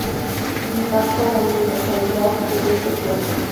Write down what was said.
Impacta la universalidad de este cuento".